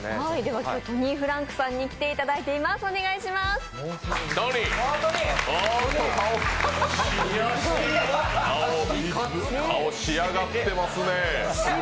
では今日、トニーフランクさんに来ていただいています。